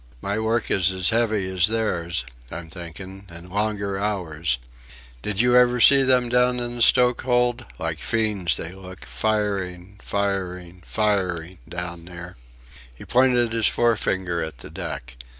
"My work is as heavy as theirs I'm thinking and longer hours. Did you ever see them down the stokehold? Like fiends they look firing firing firing down there." He pointed his forefinger at the deck.